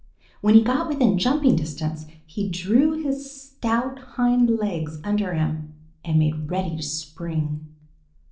When he got within jumping distance, he drew his stout hind legs under him and made ready to spring.